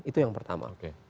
itu yang pertama